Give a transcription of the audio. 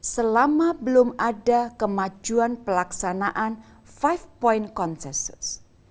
selama belum ada kemajuan pelaksanaan five points konsensus